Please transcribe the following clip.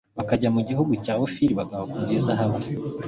bakajya mu gihugu cya ofiri bakahakura izahabu